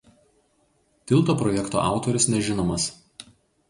Tilto projekto autorius nežinomas.